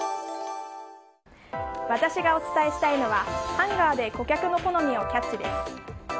私がお伝えしたいのはハンガーで顧客の好みをキャッチです。